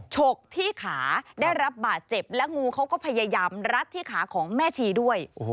ฉกที่ขาได้รับบาดเจ็บและงูเขาก็พยายามรัดที่ขาของแม่ชีด้วย